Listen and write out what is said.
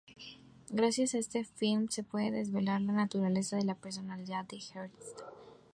Gracias a este film se puede desvelar la naturaleza de la personalidad de Hearst.